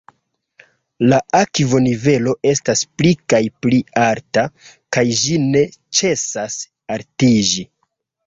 La akvonivelo estas pli kaj pli alta, kaj ĝi ne ĉesas altiĝi.